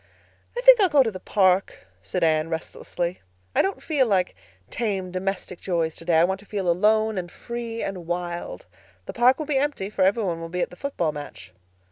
"I think I'll go to the park," said Anne restlessly. "I don't feel like tame domestic joys today. I want to feel alone and free and wild. The park will be empty, for every one will be at the football match."